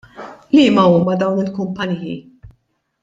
Liema huma dawn il-kumpanniji?